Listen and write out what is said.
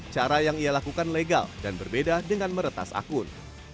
cara yang ia lakukan legal dan berbeda dengan meretas akun